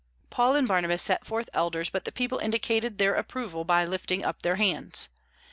Paul and Barnabas set forth elders, but the people indicated their approval by lifting up their hands.